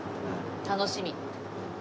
楽しみ。